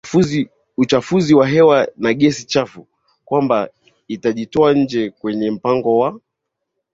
uchafuzi wa hewa na gesi chafu kwamba itajitoa nje kwenye mpango wa